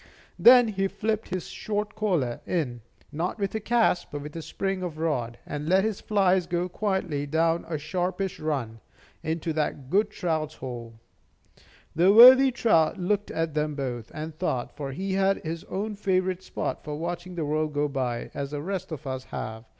Then he flipped his short collar in, not with a cast, but a spring of the rod, and let his flies go quietly down a sharpish run into that good trout's hole. The worthy trout looked at them both, and thought; for he had his own favorite spot for watching the world go by, as the rest of us have.